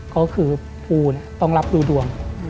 ก็คือภูต้องรับดูดวง